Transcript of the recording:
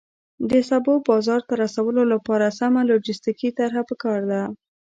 د سبو بازار ته رسولو لپاره سمه لوجستیکي طرحه پکار ده.